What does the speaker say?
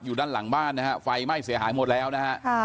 อยู่ด้านหลังบ้านนะครับไฟไม่เสียหายหมดแล้วนะครับ